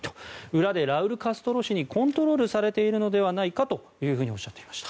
裏でラウル・カストロ氏にコントロールされているのではないかとおっしゃっていました。